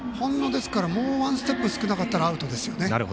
１ステップ少なかったらアウトですよね。